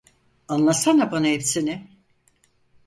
Anlatsana bana hepsini!